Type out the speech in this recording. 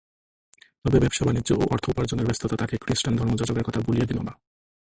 তবে ব্যবসা-বানিজ্য ও অর্থ উপার্জনের ব্যস্ততা তাঁকে খৃস্টান ধর্মযাজকের কথা ভুলিয়ে দিল না।